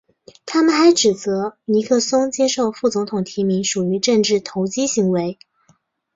他们还指责尼克松接受副总统提名属于政治投机行为。